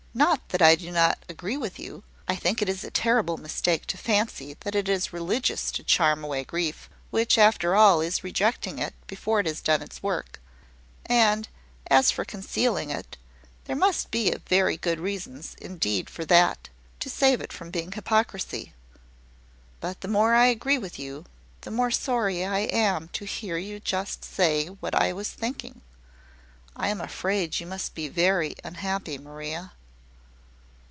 "Not that I do not agree with you. I think it is a terrible mistake to fancy that it is religious to charm away grief, which, after all, is rejecting it before it has done its work; and, as for concealing it, there must be very good reasons indeed for that, to save it from being hypocrisy. But the more I agree with you, the more sorry I am to hear you say just what I was thinking. I am afraid you must be very unhappy, Maria."